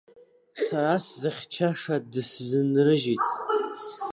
Сара сзыхьчаша дысзынрыжьит.